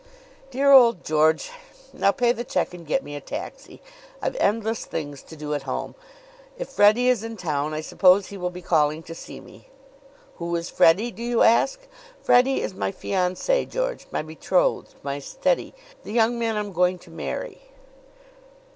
"Dear old George! Now pay the check and get me a taxi. I've endless things to do at home. If Freddie is in town I suppose he will be calling to see me. Who is Freddie, do you ask? Freddie is my fiance, George. My betrothed. My steady. The young man I'm going to marry."